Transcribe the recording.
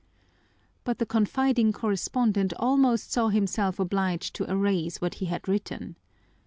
But the confiding correspondent almost saw himself obliged to erase what he had written.